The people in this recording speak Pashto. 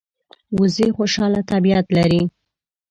وزې خوشاله طبیعت لري